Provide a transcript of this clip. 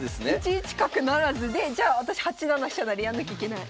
１一角不成でじゃあ私８七飛車成やんなきゃいけない。